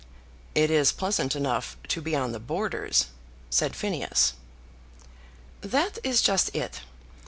"It is pleasant enough to be on the borders," said Phineas. "That is just it.